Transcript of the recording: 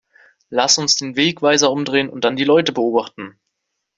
Lass uns den Wegweiser umdrehen und dann die Leute beobachten!